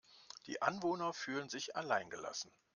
Die Anwohner fühlen sich allein gelassen.